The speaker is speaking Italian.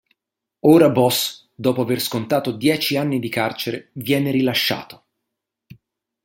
Ora Boss, dopo aver scontato dieci anni di carcere, viene rilasciato.